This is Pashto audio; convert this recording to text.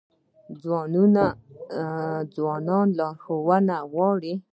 ځوان لارښوونه غواړي